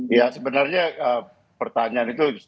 ya sebenarnya pertanyaan itu